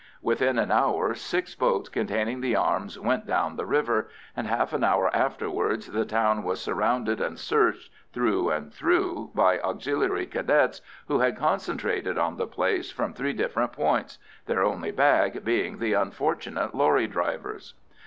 Within an hour six boats containing the arms went down the river, and half an hour afterwards the town was surrounded and searched through and through by Auxiliary Cadets who had concentrated on the place from three different points—their only bag being the unfortunate lorry drivers.